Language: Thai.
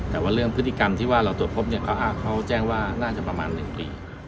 แต่ว่าเรื่องพฤติกรรมที่ว่าเราตรวจพบเนี่ยเขาแจ้งว่าน่าจะประมาณ๑ปี